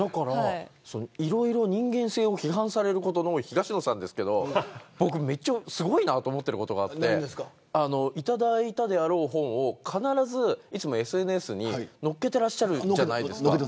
いろいろ人間性を批判されることの多い東野さんですけど僕めっちゃすごいなと思っていることがあって頂いたであろう本を必ずいつもＳＮＳに載っけてらっしゃるじゃないですか。